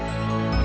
sampai jumpa lagi